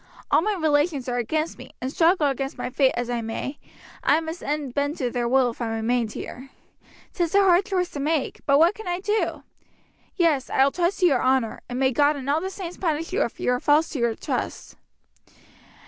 All my relations are against me, and struggle against my fate as I may, I must in the end bend to their will if I remain here. 'Tis a hard choice to make; but what can I do? Yes, I will trust to your honour; and may God and all the saints punish you if you are false to the trust!